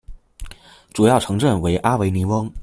主要城镇为阿维尼翁。